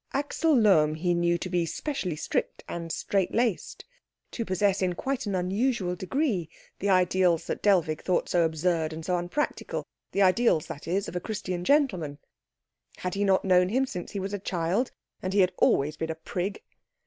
Axel Lohm he knew to be specially strict and strait laced, to possess in quite an unusual degree the ideals that Dellwig thought so absurd and so unpractical, the ideals, that is, of a Christian gentleman. Had he not known him since he was a child? And he had always been a prig.